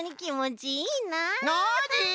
ノージー！